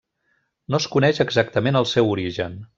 No es coneix exactament el seu origen.